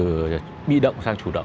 những nguồn thông tin của họ sang chủ động